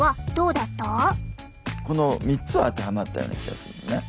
この３つは当てはまったような気がするのね。